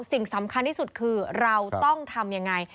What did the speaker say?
สิ่งสำคัญที่สุดคือเราต้องทำยังไง